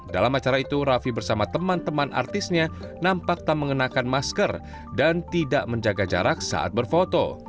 dalam acara itu raffi bersama teman teman artisnya nampak tak mengenakan masker dan tidak menjaga jarak saat berfoto